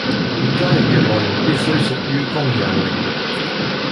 留意加入嘅內容必須屬於公有領域